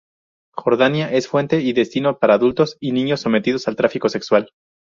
Jordania es fuente y destino para adultos y niños sometidos al tráfico sexual.